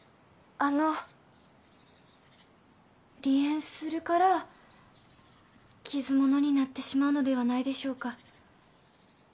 あの離縁するから傷物になってしまうのではないでしょうか？